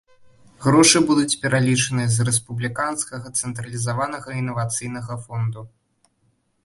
Грошы будуць пералічаныя з рэспубліканскага цэнтралізаванага інавацыйнага фонду.